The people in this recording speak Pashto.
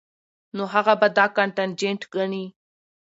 نو هغه به دا کانټنجنټ ګڼي